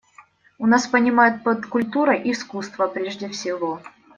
У нас понимают под «культурой» искусство прежде всего.